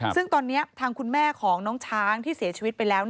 ซึ่งตอนนี้ทางคุณแม่ของน้องช้างที่เสียชีวิตไปแล้ว